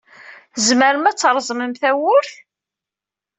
Tzemrem ad treẓmem tawwurt.